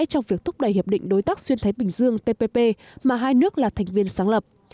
trong việc thúc đẩy hiệp định đối tác xuyên thái bình dương tpp mà hai nước là thành viên sáng lập